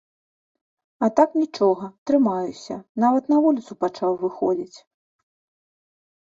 А так, нічога, трымаюся, нават на вуліцу пачаў выходзіць.